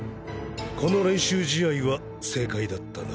この練習試合は正解だったな。